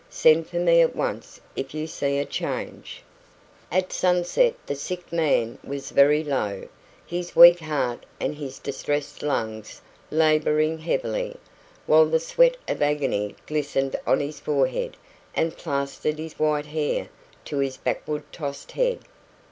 Send for me at once if you see a change." At sunset the sick man was very low, his weak heart and his distressed lungs labouring heavily, while the sweat of agony glistened on his forehead and plastered his white hair to his backward tossed head.